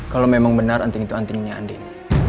kalau memang benar anting itu antingnya andin